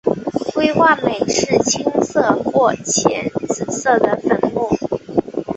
硅化镁是青色或浅紫色的粉末。